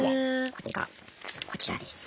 これがこちらですね。